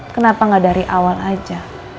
kenapa gak dari awal aja